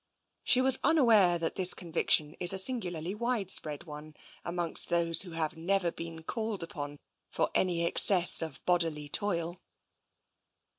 She was unaware that this conviction is a singularly widespread one amongst those who have never been called upon for any excess of bodily toil.